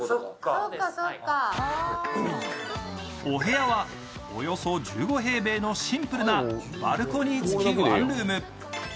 お部屋はおよそ１５平米のシンプルなバルコニー付きワンルーム。